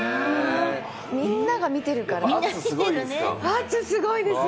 みんなが見てるから圧、すごいです！